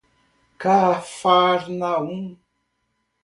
Cafarnaum